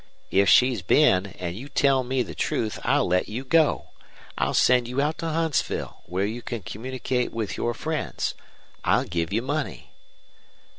If she's been an' you tell me the truth I'll let you go. I'll send you out to Huntsville, where you can communicate with your friends. I'll give you money.'